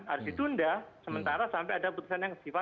harus ditunda sementara sampai ada putusan yang sifat